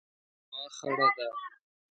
هوا خړه ده